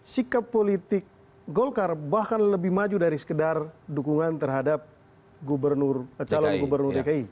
sikap politik golkar bahkan lebih maju dari sekedar dukungan terhadap calon gubernur dki